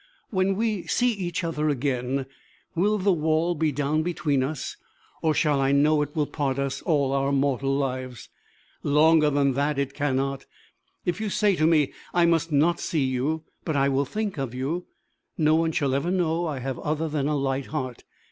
"When we see each other again, will the wall be down between us, or shall I know it will part us all our mortal lives? Longer than that it cannot. If you say to me, 'I must not see you, but I will think of you,' not one shall ever know I have other than a light heart.